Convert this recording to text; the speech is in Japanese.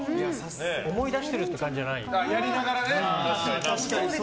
思い出してる感じじゃない。